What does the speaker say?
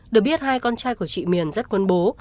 được biết hai con trai của chị miền rất quân bố